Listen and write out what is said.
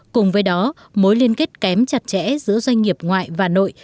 cùng với đó mối liên kết kém chặt chẽ giữa doanh nghiệp ngoại và nội